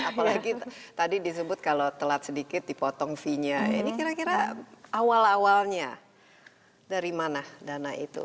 apalagi tadi disebut kalau telat sedikit dipotong fee nya ini kira kira awal awalnya dari mana dana itu